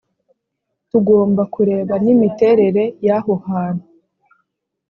tugomba kureba nimiterere y aho hantu